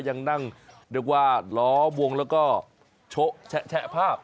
ยังนั่งเรียกว่าล้อวงแล้วก็โชะแชะภาพ